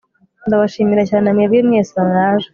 ndabashimira cyane mwebwe mwese mwaje